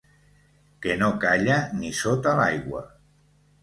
Que no calla ni sota l'aigua.